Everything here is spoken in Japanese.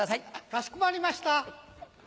かしこまりました。